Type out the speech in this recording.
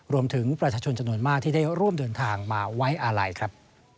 รวมถึงประชาชนจำนวนมากที่ได้ร่วมเดินทางมาไว้อาลัยครับ